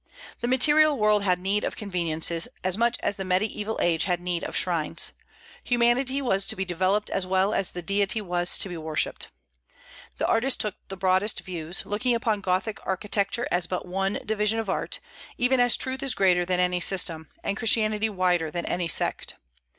The material world had need of conveniences, as much as the Mediaeval age had need of shrines. Humanity was to be developed as well as the Deity to be worshipped. The artist took the broadest views, looking upon Gothic architecture as but one division of art, even as truth is greater than any system, and Christianity wider than any sect.